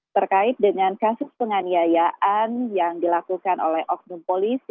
terkait dengan kasus penganiayaan yang dilakukan oleh oknum polisi